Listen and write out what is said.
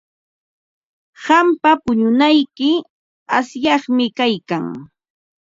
Qampa pununayki asyaqmi kaykan.